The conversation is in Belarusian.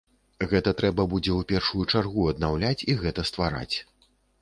Гэта трэба будзе ў першую чаргу аднаўляць і гэта ствараць.